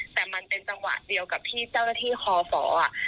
แต่มันเป็นจังหวะเดียวกับที่เจ้าหน้าที่คอฝอ่ะ